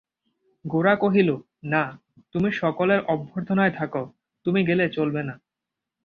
গোরা কহিল, না, তুমি সকলের অভ্যর্থনায় থাকো–তুমি গেলে চলবে না।